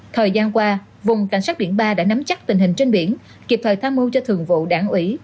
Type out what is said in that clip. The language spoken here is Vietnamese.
thời gian qua vùng cảnh sát biển ba đã nắm chắc tình hình trên biển kịp thời tham mưu cho thường vụ đảng ủy